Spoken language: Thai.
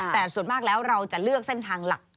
แต่ส่วนมากแล้วเราจะเลือกเส้นทางหลัก